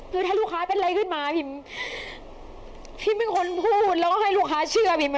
คือถ้าลูกค้าเป็นอะไรขึ้นมาพิมพิมเป็นคนพูดแล้วก็ให้ลูกค้าเชื่อพิม